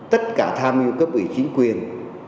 tất cả tham hiệu cấp ủy chính quyền